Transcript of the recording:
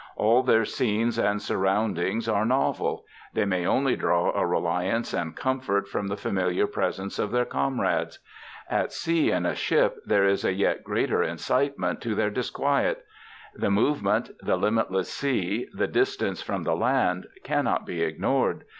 All their scenes and surroundings are novel; they may only draw a reliance and comfort from the familiar presence of their comrades. At sea in a ship there is a yet greater incitement to their disquiet. The movement, the limitless sea, the distance from the land, cannot be ignored.